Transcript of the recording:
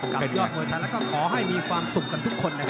กับยอดมวยไทยรัฐแล้วก็ขอให้มีความสุขกันทุกคนนะครับ